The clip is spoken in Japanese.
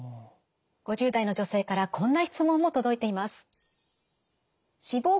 ５０代の女性からこんな質問も届いています。